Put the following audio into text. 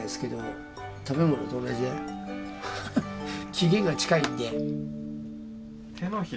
期限が近いんで。